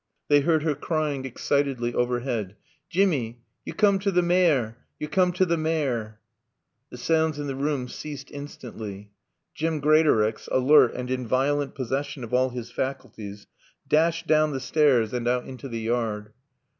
They heard her crying excitedly overhead. "Jimmy! Yo coom to t' ma are! Yo coom to t' ma are!" The sounds in the room ceased instantly. Jim Greatorex, alert and in violent possession of all his faculties, dashed down the stairs and out into the yard.